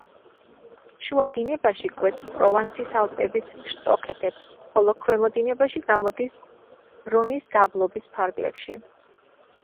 შუა დინებაში კვეთს პროვანსის ალპების შტოქედებს, ხოლო ქვემო დინებაში გამოდის რონის დაბლობის ფარგლებში.